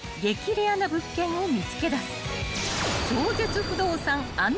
レアな物件を見つけだす］